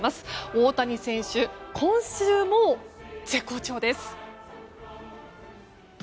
大谷選手、今週も絶好調です。